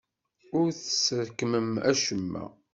Ur tesrekmem acemma.